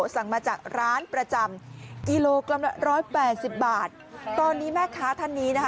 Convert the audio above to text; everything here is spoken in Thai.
สั่งมาจากร้านประจำกิโลกรัมละร้อยแปดสิบบาทตอนนี้แม่ค้าท่านนี้นะคะ